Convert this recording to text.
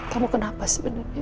kamu kenapa sebenernya